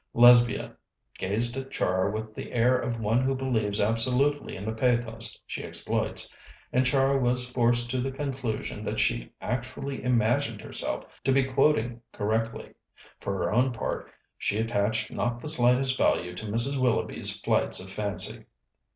Lesbia gazed at Char with the air of one who believes absolutely in the pathos she exploits, and Char was forced to the conclusion that she actually imagined herself to be quoting correctly. For her own part, she attached not the slightest value to Mrs. Willoughby's flights of fancy.